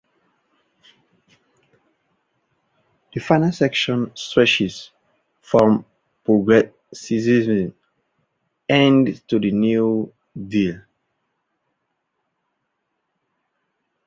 The final section stretches from Progressivism's end to the New Deal.